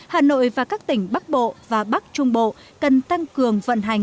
hà nội và các tỉnh bắc bộ và bắc trung bộ cần tăng cường vận hành